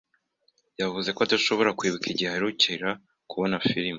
Yavuze ko adashobora kwibuka igihe aheruka kubona firime.